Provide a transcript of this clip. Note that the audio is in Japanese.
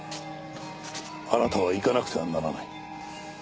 あなたは行かなくてはならない。